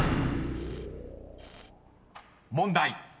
［問題］